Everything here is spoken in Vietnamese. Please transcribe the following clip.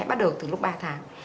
bắt đầu từ lúc ba tháng